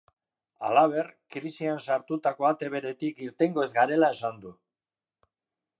Halaber, krisian sartutako ate beretik irtengo ez garela esan du.